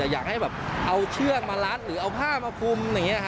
อยากให้เอาเชือกมารัดหรือเอาผ้ามาพุม